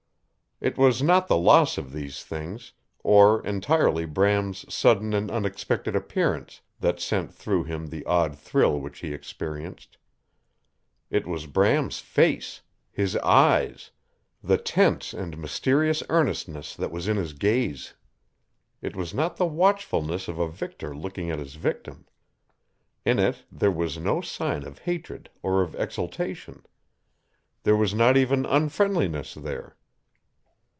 It was not the loss of these things, or entirely Bram's sudden and unexpected appearance, that sent through him the odd thrill, which he experienced. It was Bram's face, his eyes, the tense and mysterious earnestness that was in his gaze. It was not the watchfulness of a victor looking at his victim. In it there was no sign of hatred or of exultation. There was not even unfriendliness there.